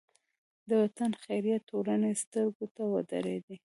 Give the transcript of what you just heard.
د وطن خیریه ټولنې سترګو ته ودرېدې.